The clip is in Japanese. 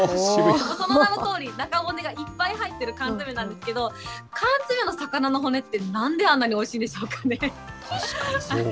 その名のとおり、中骨がいっぱい入っている缶詰なんですけど、缶詰の魚の骨って、なんであんなにおいしいんでしょうかね。